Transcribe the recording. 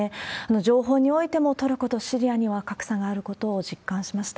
情報においてもトルコとシリアには格差があることを実感しました。